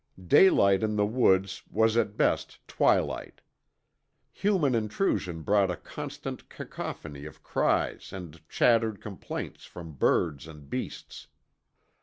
Daylight in the woods was at best twilight. Human intrusion brought a constant cacophony of cries and chattered complaints from birds and beasts.